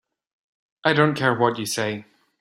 I don't care what you say.